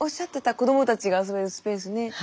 子どもたちが遊べるスペースね。